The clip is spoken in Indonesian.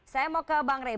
saya mau ke bang rey